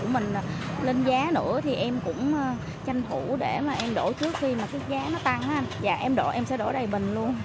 mình lên giá nữa thì em cũng tranh thủ để mà em đổ trước khi mà cái giá nó tăng em sẽ đổ đầy bình luôn